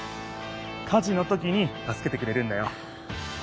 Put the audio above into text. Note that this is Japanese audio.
火じのときにたすけてくれるんだよ。